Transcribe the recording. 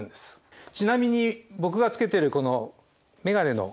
ちなみに僕がつけてるこの眼鏡の。